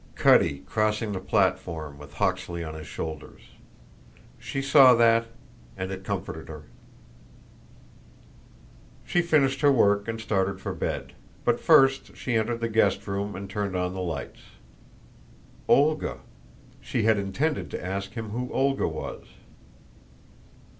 Cutty, crossing the platform with Hawksley on his shoulders. She saw that, and it comforted her. She finished her work and started for bed. But first she entered the guest room and turned on the lights. Olga. She had intended to ask him who Olga was.